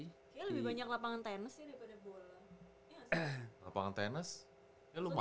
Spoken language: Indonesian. kayaknya lebih banyak lapangan tenis sih daripada bola lapangan tenis ya lumayan